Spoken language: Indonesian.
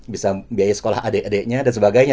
bisa membiayai sekolah adik adiknya dan sebagainya